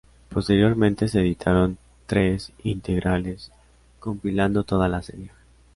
Posteriormente se editaron tres "integrales" compilando toda la serie.